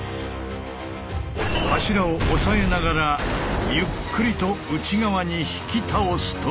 柱を押さえながらゆっくりと内側に引き倒すという。